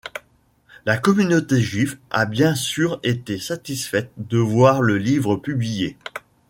La communauté juive a bien sûr été satisfaite de voir le livre publié.